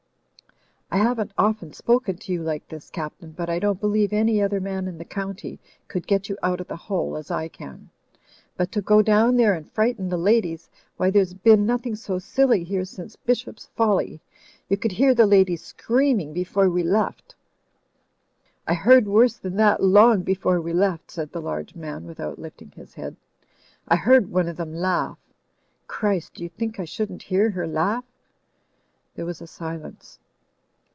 I haven't often spoken to you like this, Cap tain, but I don't believe any other man in the coimty could get you out of the hole as I can. But to go down there and frighten the ladies — ^why there's been nothing so silly here since Bishop's Folly. You could hear the ladies screaming before we left." "I heard worse than that long before we left," said the large man, without lifting his head. "I heard one of them laugh. ... Christ, do you think I shouldn't hear her laugh?" There was a silence.